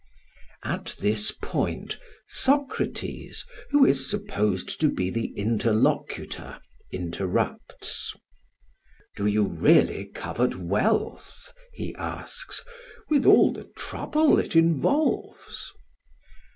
At this point Socrates, who is supposed to be the interlocutor, interrupts. "Do you really covet wealth," he asks, "with all the trouble it involves?"